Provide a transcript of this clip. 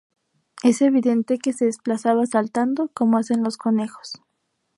Es evidente que se desplazaba saltando, como hacen los conejos.